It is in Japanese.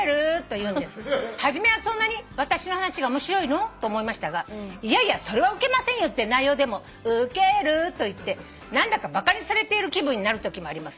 「初めはそんなに私の話が面白いの？と思いましたがいやいやそれはウケませんよって内容でも『ウケる』と言って何だかバカにされている気分になるときもあります。